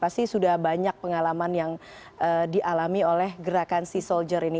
pasti sudah banyak pengalaman yang dialami oleh gerakan sea soldier ini